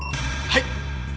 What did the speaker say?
はい！